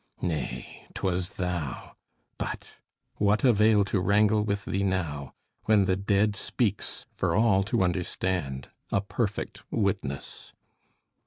Nay, 'twas thou... But what avail to wrangle with thee now, When the dead speaks for all to understand, A perfect witness!